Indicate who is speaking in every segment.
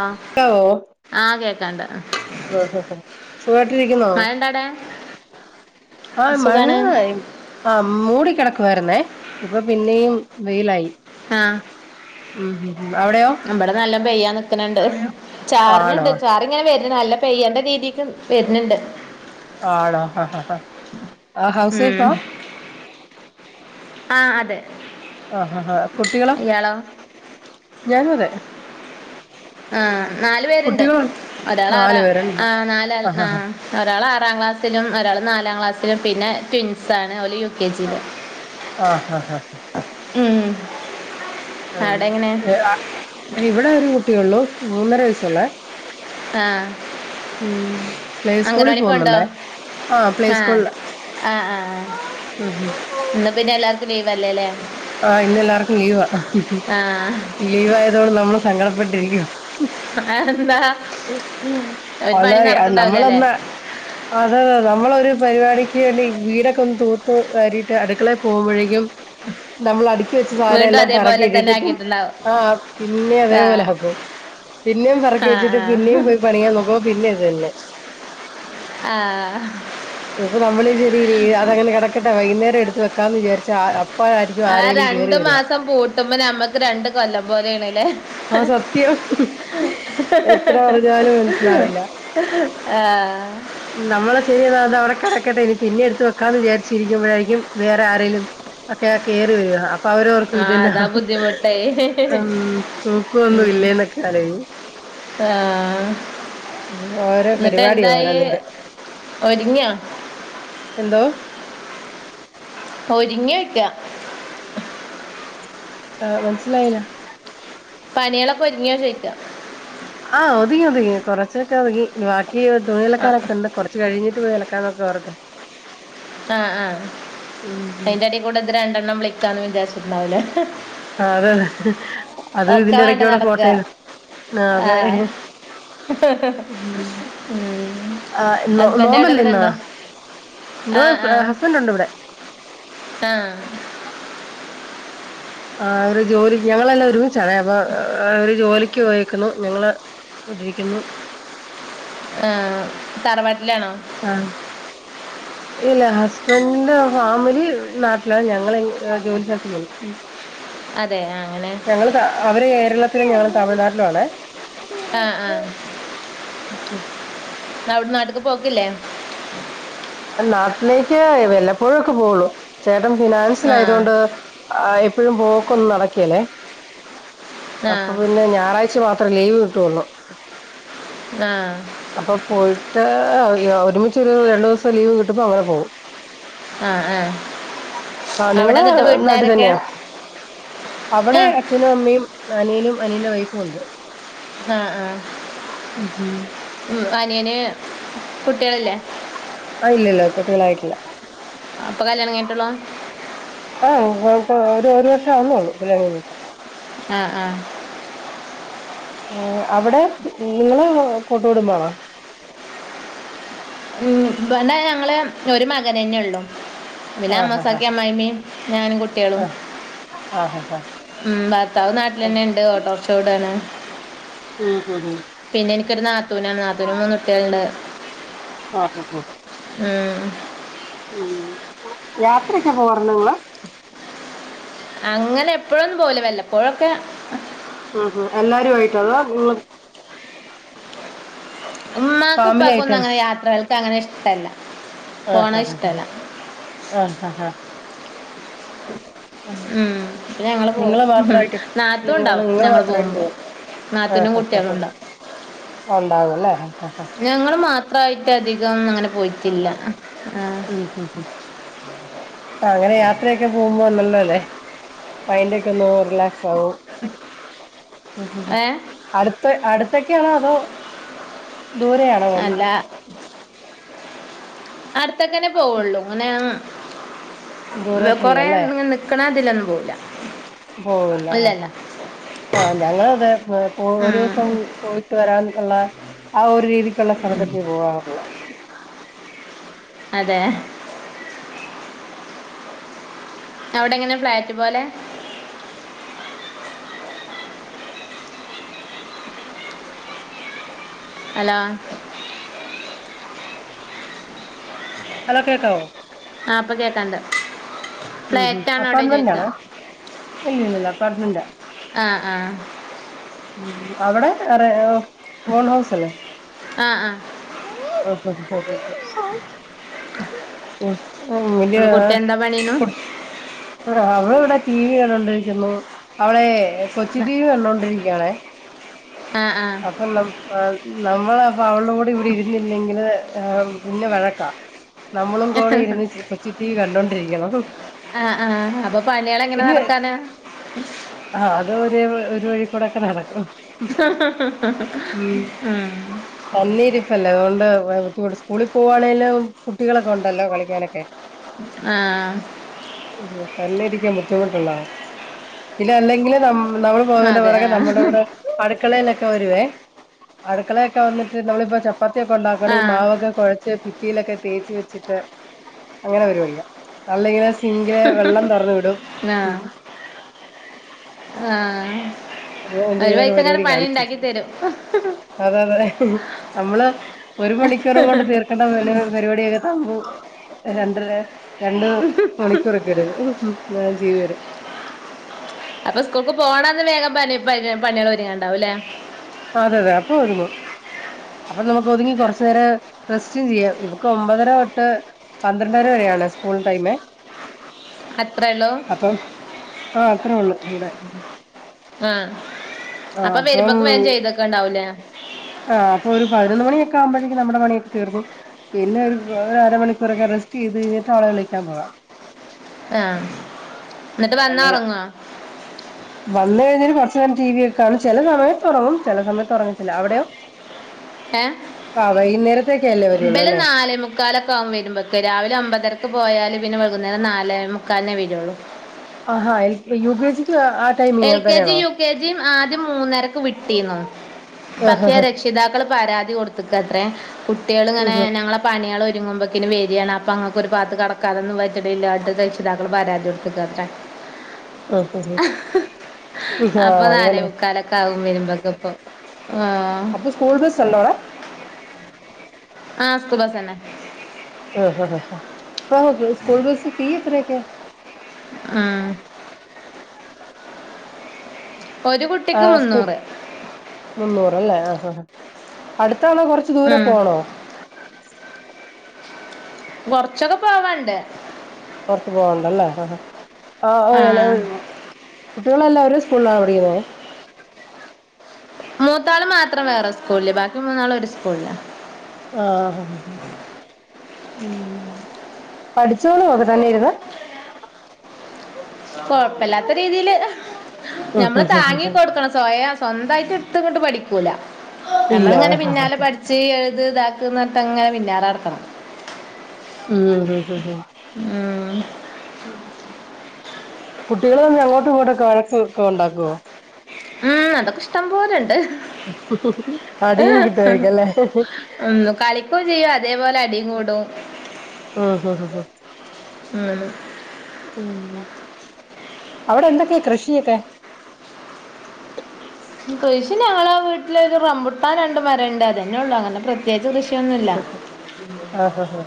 Speaker 1: ആഹ, ആ, കേക്കാണ്ട.
Speaker 2: സുഖട്ടിരിക്കുന്നോ.
Speaker 1: മഴണ്ടാടെ
Speaker 2: ആഹ്, മഴ,
Speaker 1: സുഖാണ്
Speaker 2: ആഹ, മൂടിക്കിടക്കുവരുന്നേ. ഇപ്പൊ, പിന്നെയും, വെയിലായി.
Speaker 1: ആഹ.
Speaker 2: ഉം, ഹ്, ഹ്, ഹഅവിടെയോ.
Speaker 1: പെയ്യാൻ, നിക്ക്ണ്ണ്ട്,
Speaker 2: ആണോ
Speaker 1: ചാർണ്ട്, ച്ചാ നല്ല, പെയ്യേണ്ട, രീതിക്ക്, വരുന്നുണ്ട്.
Speaker 2: ആണോ, ഹ, ഹാ, ഹാ, ആ, ഹൗസ്, വൈഫ.
Speaker 1: ഉം ആ, അതെ.
Speaker 2: ആഹാ, ഹാ, കുട്ടികള,
Speaker 1: ഇയാളോ
Speaker 2: ഞാനും, അതെ.
Speaker 1: ആ, നാല്, പേരുണ്ട്.
Speaker 2: കുട്ടികളോ
Speaker 1: ഒരാൾ,
Speaker 2: നാലു പേരല്ലേ ആഹ് ആഹ്
Speaker 1: [unintelligible] ആറാം ക്ലാസിലും, ഒരാൾ നാലാം ക്ലാസ്സിലിം, പിന്നെ ട്വിൻ ൻസാണ്, ഓൽ
Speaker 2: ആഹ, ഹാ, ഹാ.
Speaker 1: ഉം. അവടെങ്ങനെ
Speaker 2: ആ. അ, ഇവിടെ, ഒരു കുട്ടിയള്ളൂ, മൂന്നര, വയസുള്ള.
Speaker 1: ആഹ,
Speaker 2: പ്ലേ സ്കൂളിൽ
Speaker 1: അംഗനവാടിപ്പൊണ്ടോ.
Speaker 2: പോകുന്നുണ്ടേ ആഹ് പ്ലേ
Speaker 1: ആഹ,
Speaker 2: സ്കൂളില്
Speaker 1: ആഹ, ആഹ, ആ
Speaker 2: ഉം
Speaker 1: ന്നാ പിന്നെല്ലാ വല്ലേ, ലെ.
Speaker 2: ആഹ, ഇന്നെല്ലാവർക്കും, ലീവ,
Speaker 1: ആഹ്
Speaker 2: ലീവയതണ്ട്, നമ്മള്, സങ്കടപ്പെട്ടിരിക്കുവവാ.
Speaker 1: ആന്ത.
Speaker 2: അ,
Speaker 1: നടക്കണ്ടാവൂല അല്ലേ
Speaker 2: നമ്മളന്നാ അതെ, അതെ, നമ്മളൊരു, പരിപാടിക്ക് ന്നെ, വീടൊക്കെ, ഒന്ന് തൂത്തു വാരീട്ട്, അടുക്കളെ പോകുമ്പോഴേക്കും, നമ്മൾ അ വെച്ച, സാധനം,
Speaker 1: വീണ്ടും
Speaker 2: എല്ലാം,
Speaker 1: അതേപോലെ തന്നെ
Speaker 2: പറക്കിട്ടട്ട്,
Speaker 1: ആക്കിയിട്ടുണ്ടാവും
Speaker 2: അ, പിന്നേം,
Speaker 1: ആഹ്
Speaker 2: അതേപോലെ പിന്നെയും, പെറക്കി
Speaker 1: ആഹ്
Speaker 2: വെച്ചിട്ട്, പിന്നേം പോയി, പണിയ്യാൻ, നോക്കുമ്പോ, പിന്നേം ഇത് തന്നെ.
Speaker 1: ആഹ.
Speaker 2: ഇപ്പൊ, നമ്മള്, ചെ, [unintelligible] അതങ്ങനെ, കെടക്കട്ടെ, വൈകുന്നേരം, എടുത്ത് വെക്കാചാരിച്ച, അപ്പൊ
Speaker 1: ആ രണ്ടു മാസം പൂട്ടുമ്പ നമ്മക്ക് രണ്ട് കൊല്ലം പോലെണലെ
Speaker 2: ആഹ് സത്യം എത്ര
Speaker 1: [unintelligible]
Speaker 2: പറഞ്ഞാലും മനസ്സിലാവില്ല
Speaker 1: ആഹ്
Speaker 2: നമ്മളെ ശരി എന്നാ അത് അവിടെ കിടക്കട്ടെ ഇനി പിന്നെ എടുത്ത് വെക്കാന്ന് വിചാരിച്ചിരിക്കുമ്പോഴായിരിക്കും വേറെ ആരെേങ്കിലും ഒക്കെ കയറി വരുക അപ്പൊ അവരവർക്കും
Speaker 1: ആഹ്
Speaker 2: ഇതന്നെ
Speaker 1: അതാ ബുദ്ധിമുട്ടേ
Speaker 2: ഉ തൂക്കൊന്നും ഇല്ലേന്നൊ കാലേ
Speaker 1: ആഹ്
Speaker 2: ഓരോ
Speaker 1: എന്നിട്ട്
Speaker 2: പരിപാടി ഓരോ
Speaker 1: എന്തായി
Speaker 2: നേരം
Speaker 1: ഒരിങ്ങിയാ
Speaker 2: എന്തോ
Speaker 1: ഒരിങ്ങ വക്ക
Speaker 2: ആ മനസിലായില്ല
Speaker 1: പനികളൊക്കെ ഒരുങ്ങിയ ചിക്കാം
Speaker 2: ആഹ് ഒതുങ്ങി ഒതുങ്ങി കൊറച്ചൊക്കെ ഒതുുകങ്ങി ബാക്കി തുണിലക്കാനൊക്കെ ഉണ്ട് കൊറച്ച് കഴിഞ്ഞിട്ട് പോയ ാന്നൊക്കെ വറത
Speaker 1: ആഹ് ആ അയിന്റെ അടി കൂടെ ഇത് രണ്ടെണ്ണം വിളിക്കാന്ന് വിത്യാസിട്ടുണ്ടാവല
Speaker 2: ആ അതെ അതെ അത ഇതിറെ
Speaker 1: വേണ്ട
Speaker 2: ഇടക്കോടെ
Speaker 1: നടക്കുക
Speaker 2: ഫോട്ടോയാണ് ആ അതെ
Speaker 1: ആഹ് ഉം
Speaker 2: ആോ
Speaker 1: ഹസ്ബൻഡ് അവിടെ ഇവിടെ
Speaker 2: നോമ്പല്ലന്ന
Speaker 1: ഉണ്ടോ
Speaker 2: എന്തോ ഹസ്ബൻറ് ഉണ്ട് ഇവിടെ
Speaker 1: ആഹ്
Speaker 2: ആ അവര് ജോലി ഞങ്ങളെല്ലാം ഒരുമിച്ചടേ അപ്പൊ അവര് ജോലിക്ക് യിക്കുന്നു ഞങ്ങള് ഇണ്ടിരിക്കുന്നു
Speaker 1: ആ തർവാട്ട
Speaker 2: ആഹ് ഇല്ല ഹസ്ബണ്ടിന്റെ ഫാമിലി നാട്ടിലാണ് ഞങ്ങ ജോലി ശേഷം വന്നു
Speaker 1: അതെ ആ, അങ്ങനെ
Speaker 2: ഞങ്ങള് അവര് കേരളത്തിലും ഞങ്ങൾ തമിഴ്നാട്ടിലും ആണ്
Speaker 1: ആഹ് ആഹ് അവിടെ നാട്ട്ക്ക് പോക്കില്ലേ
Speaker 2: നാട്ടിലേക്ക് വല്ലപ്പോഴൊക്കെ പോവുള്ളു ഫിനാൻസിൽ
Speaker 1: ആ
Speaker 2: ആയത് കൊൊണ്ട് എപ്പോഴും പോക്കൊന്നും നടക്കിയല്ലേ
Speaker 1: ആ
Speaker 2: അപ്പൊ പിന്നെ ഞായറാഴ്ച മാത്രേ ലീവ് കിട്ടയുള്ളൂ
Speaker 1: ആ
Speaker 2: അപ്പൊ പോയിട്ട് ഒരുമിച്ചിരുന്നു രണ്ടു ദിവസം ലീവ് കിട്ടപ്പ അവരെ പോവും
Speaker 1: ആഹ് ആ
Speaker 2: ആഹ്
Speaker 1: അവിടെ
Speaker 2: നിങ്ങള്
Speaker 1: എന്നിട്ട്
Speaker 2: നാട്ടി
Speaker 1: വീട്ടിലാരൊക്കെ
Speaker 2: തന്നെയോ
Speaker 1: ആ
Speaker 2: അവിടെ അച്ഛനും അമ്മയും അനിയനും അനിയൻ്റെ വൈഫും ഉണ്ട്
Speaker 1: ആഹ് ആ
Speaker 2: ഉം ഉം
Speaker 1: ഉ അനിയന് കുട്ടികളല്ലേ
Speaker 2: ആ ഇല്ലില്ല കുട്ടികളായിട്ടില്ല
Speaker 1: അപ്പൊ കല്യാണം കേട്ടുള്ളൂ
Speaker 2: ആഹഴപ്പ ഒരു ഒരു വർഷം ആന്നോള്ളൂ പിങ്ങന
Speaker 1: ആഹ ആ
Speaker 2: അവിടെ നിങ്ങള് കൂട്ട വിടുമ്പാണോ
Speaker 1: ഉ പിന്നാ ഞങ്ങള് ഒരു മകനന്നെ ഉള്ളു പിന്ന
Speaker 2: ആഹ് ആഹ്
Speaker 1: അമ്മസാക്കി അമ്മ്മീ ഞാനും കുട്ടികളും
Speaker 2: ആഹ് ആഹ് ആഹ് ആഹ്
Speaker 1: ഉം ഭർത്താവ് നാട്ടിൽ
Speaker 2: ആഹ്
Speaker 1: തന്നെ ഉണ്ട് ഓട്ടോറച്ച കൂടയാണ്
Speaker 2: ഉം ഉ ഉ
Speaker 1: ഒ നാത്തൂനാണ് നാത്തൂന് മൂന്ന കുട്ടികളുണ്ട്
Speaker 2: ആഹക്കക്ക [unintelligible]
Speaker 1: ഉം.
Speaker 2: ഉ യാത്രക്കെ പോരണങ്ങളോ [unintelligible]
Speaker 1: അങ്ങനെ എപ്പോഴൊ ഒന്നും പോല വല്ലപ്പോഴൊക്കെ
Speaker 2: ഉ ഹ എല്ലാര ആയിട്ട് അത ആ
Speaker 1: ഉമ്മാക്കും ഉപ്പക്കും ഒന്നും അങ്ങനെ യാത്രകൾക്ക് അങ്ങനെ ഇഷ്ടല്ല
Speaker 2: ആ ഹാ ആ ആ ഹാ
Speaker 1: ഉം ഇപ്പ ഞങ്ങള് പോവും
Speaker 2: നിങ്ങള് മാത്രായിട്ട്
Speaker 1: നാത്തൂൻ
Speaker 2: നിങ്ങള്
Speaker 1: ണ്ടാവും
Speaker 2: നിങ്ങള്
Speaker 1: ഞങ്ങള്
Speaker 2: മാത്രായിട്ട്
Speaker 1: പോകുമ്പോ
Speaker 2: പോവാ ആഹ്
Speaker 1: നാത്തൂനും
Speaker 2: ആഹ്
Speaker 1: കുട്ടികളും
Speaker 2: ആഹ്
Speaker 1: ഉണ്ടാവും
Speaker 2: ഉണ്ടാവും അല്ലേ
Speaker 1: ഞങ്ങള് മാത്രമായിട്ട് അധികം അങ്ങനെ പോയിട്ടില്ല ആ.
Speaker 2: ഉം ഉം താ അങ്ങനെ യാത്രയൊക്കെ പോകുമ്പോ [unintelligible] മൈന്റെ ഒക്കെ ഒ റിലാക്സ് ആവും മ്മ്
Speaker 1: ഏ
Speaker 2: അടുത്ത അടു അടുത്തക്കെയാണോ അതോ ദൂരെ ആണോ
Speaker 1: അല്ല അടുത്തക്കനെ പോവുള്ളൂ അങ്ങനെ കൊറെ
Speaker 2: ദൂരോട്ടില്ലല്ലേ
Speaker 1: നിക്കണ അതിലൊന്നും പോവുല്ല
Speaker 2: പോവുല്ല ആ ആ ഞങ്ങള് അത് ഒരു
Speaker 1: ഉം.
Speaker 2: ദിവസം പോയിട്ട് വരാൻ ഉള്ള ആ ഒരു രീതിക്കുള്ള സ്ഥലത്തേക്ക് പോവാറുള്ളു
Speaker 1: അതെ അവിടെ എങ്ങനെ ഫ്ലാറ്റ് പോലെ ഹലോ
Speaker 2: ഹലോ കേൾക്കാവോ
Speaker 1: ആ ഇപ്പൊ കേക്കാണ്ട്
Speaker 2: ഉം ഉം
Speaker 1: പ്ലേറ്റ് ആണോ അവിടെ
Speaker 2: അപ്പാർട്ട്മെന്റ്
Speaker 1: ചോദിച്ച
Speaker 2: ആണോ ഇല്ല ഇല്ല അപ്പാർട്ട്മെന്റാ
Speaker 1: ആ ആ
Speaker 2: ഉം അവിടെ റെ ഓൺഹൗസ് അല്ലേ
Speaker 1: ആ ആ
Speaker 2: [inaudible] ഉം
Speaker 1: അവിടെ കുട്ടി എന്താ
Speaker 2: [unintelligible]
Speaker 1: പണിയുന്നു
Speaker 2: അവള് ഇവിടെ ടി വി കണ്ടോണ്ടിരിക്കുന്നു അവളെ കൊച്ച് ടിവി കണ്ടോണ്ടിരിക്കയാണെ
Speaker 1: ആ ആ
Speaker 2: അപ്പൊ ന നമ്മള് അപ്പ അവളോട് ഇവിടെ ഇരുന്നില്ലെങ്കില് ആ പിന്നെ വഴക്കാ നമ്മളും കൂടെ ഇരുന്ന് കൊച്ച് ടിവി കണ്ടോണ്ടിരിക്കണം
Speaker 1: ആ ആ അപ്പൊ പണികള് എങ്ങനെ
Speaker 2: കുഞ്ഞ്
Speaker 1: നടത്താന
Speaker 2: ആഹ് അത് ഒരു വഴി കൂടൊക്കെ നടക്കും തന്നെ
Speaker 1: ഉം
Speaker 2: ഇരിപ്പല്ലേ അതുകൊണ്ട് സ്കൂളിൽ പോകുവാണെങ്കിലും കുട്ടികളൊക്കെ ഉണ്ടല്ലോ കളിക്കാനൊക്കെ
Speaker 1: ആ
Speaker 2: ഉം തന്നെ ഇരിക്കാൻ ബുദ്ധി ദ്ധിമുട്ടുള്ളാ ഇല്ല അല്ലെങ്കിൽ നമ്മള്‌ പോകുന്ന
Speaker 1: അതെ
Speaker 2: പുറകെ
Speaker 1: ആ
Speaker 2: നമ്മുടെ കൂടെ അടുക്കളയിലൊ അടുക്കളയൊക്കെ വന്നിട്ട് നമ്മളിപ്പോ ചപ്പാത്തിയൊക്കെ ഉണ്ടാക്കാണ്ണേ
Speaker 1: ആ
Speaker 2: ഈ മാവൊക്കെ കുഴച്ച് ഭി ഭിത്തിയിലൊക്കെ തേച്ച് വെച്ചിട്ട് അങ്ങനെ പരിപാടിയാ [unintelligible] സിങ്കിലെ വെള്ളം തുറന്ന് വിടും
Speaker 1: ആ ആ
Speaker 2: അതുപോലെ
Speaker 1: ഒരു
Speaker 2: എന്തെങ്കിലുമൊക്കെ
Speaker 1: വഴിക്ക് അങ്ങനെ
Speaker 2: പരിപാടി
Speaker 1: പണി
Speaker 2: കാണും
Speaker 1: ഉണ്ടാക്കി തരും
Speaker 2: അതെ അതെ നമ്മള് ഒരു മണിക്കൂറും കൊണ്ട് തീർക്കേണ്ട പരിപാടിയൊക്കെ തമ്മു രണ്ടര രണ്ട് മണിക്കൂർ ഒക്കെ എടുക്കും എല്ലാം ചെയ്തുതീരാൻ
Speaker 1: അപ്പൊ സ്കൂൾ ക്ക് പോണന്ന് വേഗം പണികൾ തീരെ ണ്ടാവുലേ
Speaker 2: അതെ അതെ അപ്പോ ഒതുങ്ങും അപ്പൊ നമുക്ക് ഒതുങ്ങി കുറച്ച് നേരം റസ്റ്റും ചെയ്യാം ഇവക്ക് ഒമ്പതര തൊട്ട് പന്ത്രണ്ടര വരെ ആണ് സ്കൂൾ ടൈമേ
Speaker 1: അത്രേ ഉള്ളൂ
Speaker 2: അപ്പൊ അത്ര ഉള്ളു ഇവിടെ
Speaker 1: ആ അപ്പൊ വരുമ്പോക്ക്
Speaker 2: അപ്പം
Speaker 1: വേഗം ചെയ്ത് വെ
Speaker 2: ആ അപ്പൊ ഒരു പതിനൊന്ന് മണിയൊക്കെ ആവുമ്പോ ക്ക് നമ്മുടെ പണിയൊക്കെ തീർന്നു പിന്നെ ഒരു അരമണിക്കൂറൊക്കെ റെസ്റ്റ് ചെയ്ത് കഴിഞ്ഞിട്ട് ആളെ വിളിക്കാൻ പോവാം
Speaker 1: ആ എന്നിട്ട് വന്നാ
Speaker 2: അങ്ങനെ
Speaker 1: ഉറങ്ങുവോ
Speaker 2: വന്ന് കഴിഞ്ഞ് കൊറച്ച് നേരം ടി വി ഒക്കെ കാണും ചെല സമയത്ത് ഒറങ്ങും ചെല സമയത്ത് ഒറങ്ങത്തില്ല അവിടെയോ ആ വൈ
Speaker 1: വല് നാലേ മുക്കാലൊക്കാവും വരുമ്പോക്ക് രാവിലെ ഒമ്പതരക്ക് പോയാല് പിന്നെ കുന്നേരം നാലേ മുക്കാല്നെ വെരുള്ളൂ
Speaker 2: ആഹാ എൽ യു കെ ജിക്ക് വേ
Speaker 1: L K G U K ജിയും ആ ആദ്യം മൂന്നരക്ക് വിട്ടിന്നു
Speaker 2: ആഹ്
Speaker 1: പക്ഷെ
Speaker 2: ആഹ്
Speaker 1: രക്ഷിതാക്കൾ പരാതി കൊടുത്ത്ക്കത്രേ കുട്ട്യാള് ങ്ങനെ ഞമ്മളെ പണികൾ ഒരുങ്ങുമ്പൊ ന് വെരാണ് അപ്പൊ അങ്ങക്ക് ഒരുപാത്ത് കെടക്കാനൊന്നും പറ്റ്ണ്ല്ല ട്ട് രക്ഷിതാക്കൾ പരാതി കൊടുത്ത്ക്കാ ത്രേ
Speaker 2: ഹഹഹ
Speaker 1: അപ്പൊ നാലേ മുക്കാലൊക്കാവും വരുമ്പോക്ക്പ്പൊ
Speaker 2: അപ്പൊ സ്കൂൾ ബസ് ഉണ്ടോടാ
Speaker 1: ആ സ്കൂൾ ബസെന്നെ
Speaker 2: ആ ആ സ്കൂൾ ബസ് ഫീ എത്രേക്കെ
Speaker 1: ആ ഒരു കുട്ടിക്ക് മുന്നൂറ്
Speaker 2: മുന്നൂറ് ല്ലേ ആ ആ അടുത്താണോ കൊറച്ച് ദൂരെ
Speaker 1: ഉം.
Speaker 2: പോണോ
Speaker 1: കൊറച്ചൊക്കെ പോവാണ്ട്
Speaker 2: കൊറച്ച് പോവാണ്ട് ല്ലേ ആ ആ
Speaker 1: ആഹ്
Speaker 2: കുട്ടികളെല്ലാരും ഒരേ സ്കൂളിലാണോ പഠിക്കുന്നേ
Speaker 1: മൂത്താള് മാത്രം വേറെ സ്കൂളില് ബാക്കി മൂന്നാളും ഒരു സ്കൂളില
Speaker 2: ആ ആ ഉം പഠിച്ചോളോ ഒക്കെ തന്നെയിര്ന്ന്
Speaker 1: കൊഴപ്പില്ലാത്ത രീതിയില് ഞമ്മള് താങ്ങി കൊടുക്കണം സ്വയം സ്വന്തായിട്ട് ഇട്ത്ത് ങ്ങട്ട് പഠിക്കൂല
Speaker 2: ഇല്ല
Speaker 1: നമ്മളിങ്ങനെ പിന്നാലെ പടിച്ച് എ ത് ഇതാക്ക് പറഞ്ട്ടങ്ങനെ പിന്നാലെടക്കണം
Speaker 2: ഉം ഉം
Speaker 1: ഉം
Speaker 2: കുട്ടികള് തമ്മിൽ അങ്ങോട്ടും ഇങ്ങോട്ടൊക്കെ വഴക്ക് ഒക്കെ ഉണ്ടാക്കോ
Speaker 1: ഉം അതൊക്കെ ഇഷ്ടംപോലെ ണ്ട്
Speaker 2: അടീം കിട്ട്വായിരിക്കല്ലേ
Speaker 1: തേപോലെ അടീം കൂടും
Speaker 2: ഉം ഉം അവിടെ എന്തൊക്കെയ കൃഷിയൊക്കെ
Speaker 1: കൃഷി ഞങ്ങളെ വീട്ടിലൊരു റമ്പുട്ടാൻ രണ്ട് മരണ്ട് അതെന്നെള്ളു അങ്ങനെ പ്രത്യേ
Speaker 2: ആ ആ ആ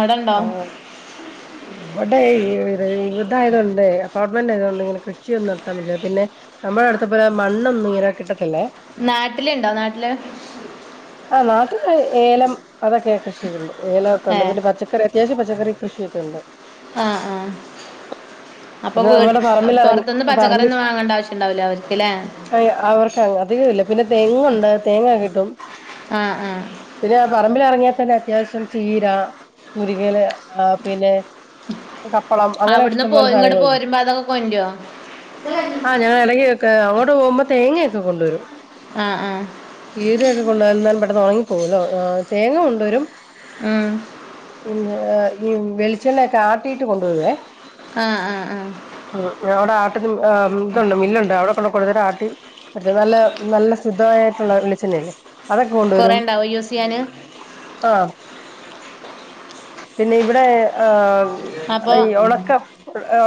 Speaker 1: അടണ്ടോ
Speaker 2: [unintelligible] [unintelligible] ആയതോണ്ട് ങ്ങനെ കൃഷിയൊന്നും നടത്താൻ പറ്റില്ല പിന്നെ നമ്മുടെഅടുത്ത പോലെ മണ്ണൊന്നും ഇങ്ങനെ കിട്ട ക്കല്ലേ
Speaker 1: നാട്ടിലുണ്ടോ നാട്ടില്
Speaker 2: ആ നാട്ട ഏലം അതൊക്കെ കൃഷിയുണ്ട് ഏലൊക്കെ ണ്ട്
Speaker 1: ഏഹ്
Speaker 2: പിന്നെ പച്ചക്കറി അത്യാവശ്യം പച്ചക്കറി കൃഷിയൊക്കെയുണ്ട്
Speaker 1: ആ ആ അപ്പൊ
Speaker 2: പിന്നെ
Speaker 1: വീ
Speaker 2: നമ്മുടെ പറമ്പിലിറങ്ങി
Speaker 1: പൊറത്ത്ന്ന് പച്ചക്കറിയൊന്നും വാങ്ങേണ്ട ആവശ്യംണ്ടാവില്ല അവർക്ക് ല്ലേ
Speaker 2: അ അവർക്ക് അങ്ങ് അധികം ഇല്ല പിന്നെ തെങ്ങുണ്ട് തേങ്ങകിട്ടും
Speaker 1: ആ ആ
Speaker 2: പിന്നെ പറമ്പിലെറങ്ങിയ [unintelligible] അത്യാവശ്യം ചീര, മുരിങ്ങല പിന്നെ കപ്പളം അങ്ങനെ
Speaker 1: അവിടുന്ന് പോ
Speaker 2: ഇഷ്ടംപോലെ
Speaker 1: ഇങ്ങോട്ട്
Speaker 2: സാധനങ്ങള്
Speaker 1: പോരുമ്പോ അതൊക്കെ കൊണ്ടരോ
Speaker 2: [unintelligible] ആ ഞാൻ എടയ്ക്കൊക്കെ അങ്ങോട്ട് പോകുമ്പോ തേങ്ങക്കെ കൊണ്ടുവരും
Speaker 1: ആ ആ
Speaker 2: ചീരയൊക്കെ കൊണ്ടുവന്നാല് പെട്ടെന്ന് ഒണങ്ങിപ്പോകല്ലോ തേങ്ങ കൊണ്ടുവരും
Speaker 1: ഉം
Speaker 2: പിന്നെ ഈ വെളിച്ചെണ്ണയ ഒക്കെ ആട്ടീട്ട് കൊണ്ടുവരുവേ
Speaker 1: ആ ആ ആ
Speaker 2: ഉം അവിടെ ആട്ടിന്ന ആ ഇതൊണ്ട് മില്ലൊണ്ട് അവിടെ കൊണ്ട കൊടുത്തിട്ട് ആട്ടി അടുത്തെ നല്ല നല്ല ശുദ്ധവായിട്ടുള്ള വെളിച്ചെണ്ണല്ലേ അതൊക്കെ കൊണ്ടുവരും.
Speaker 1: കൊറേ ഉണ്ടാവോ യൂസ് ചെയ്യാന്
Speaker 2: ആ പിന്നെ ഇവിടെ ആ
Speaker 1: അപ്പൊ
Speaker 2: ഈ ഒണക്ക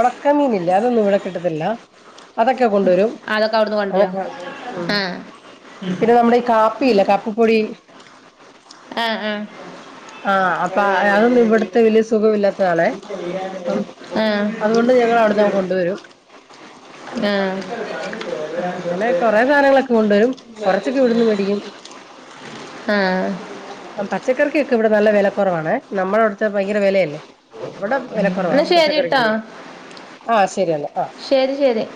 Speaker 2: ഒണക്കമീനില്ലേ അതൊന്നും ഇവിടെ കിട്ടത്തില്ല അതൊക്കെ കൊണ്ടുവരും.
Speaker 1: അതൊക്കെ അവിടുന്ന് കൊണ്ടരോ ആ
Speaker 2: പിന്നെ നമ്മുടെ ഈ കാപ്പിയില്ലേ കാപ്പിപ്പൊടി?
Speaker 1: ആ ആ ആ
Speaker 2: ആ അപ്പൊ അ അതൊന്നും ഇവിടെ ത്തേ വലിയ സുഖം ഇല്ലാത്തതാണെ അം
Speaker 1: ആ
Speaker 2: അതുകൊണ്ട് ഞങ്ങളവിടന്ന് കൊണ്ടുവരും. ആ അങ്ങനെ കൊറേ സാധനങ്ങളൊക്കെ കൊണ്ടുവരും കൊറച്ചൊക്കെ ഇവിടുന്ന് മേടിക്കും.
Speaker 1: ആ
Speaker 2: ആ പച്ചക്കറിക്ക് ഇവിടെ നല്ല വില കുറവാണെ നമ്മുടെ അടുത്ത്‌ ഭയങ്കര വെലയല്ലേ? ഇവിടെ വെലക്കൊറവാ
Speaker 1: എന്നാ ശരിട്ടോ
Speaker 2: പച്ചക്കറിക്ക്. ആ ശരിയന്നാ ആ.
Speaker 1: ശരി ശരി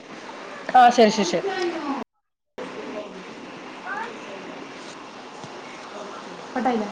Speaker 2: ആ ശരി ശരി ശരി.
Speaker 1: കട്ടായില്ല.